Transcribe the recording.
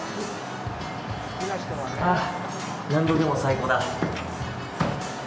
あ、何度でも最高だ。